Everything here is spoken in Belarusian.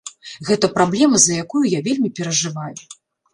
Гэта праблема, за якую я вельмі перажываю.